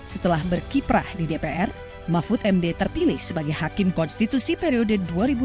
setelah berkiprah di dpr mahfud md terpilih sebagai hakim konstitusi periode dua ribu delapan dua ribu tiga belas